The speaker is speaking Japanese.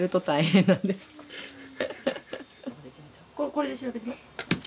これで調べるの？